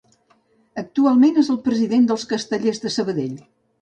Actualment és el president dels Castellers de Sabadell.